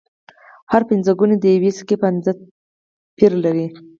هر پنځه ګون د یوې سکې په اندازه پیر لري